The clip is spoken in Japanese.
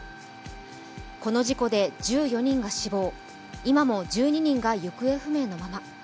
この事故で１４人が死亡、今も１２人が行方不明のまま。